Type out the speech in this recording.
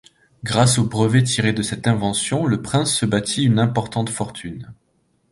Grâce au brevet tiré de cette invention, le prince se bâtit une importante fortune.